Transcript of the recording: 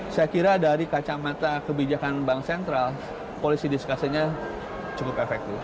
saya kira dari kacamata kebijakan bank sentral polisi diskasinya cukup efektif